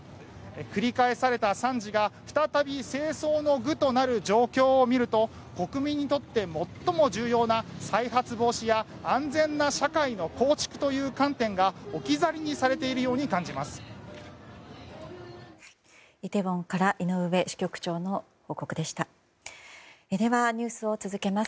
繰り返された惨事が再び政争の具となる状況を見ると国民にとって最も重要な再発防止や安全な社会の構築という観点が置き去りにされているように感じます。